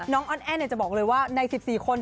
อ้อนแอ้นจะบอกเลยว่าใน๑๔คน